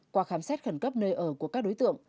qua khám xét khẩn cấp nơi ở của các đối tượng